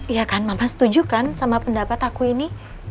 iya kan mama setuju kan sama pendapat aku ini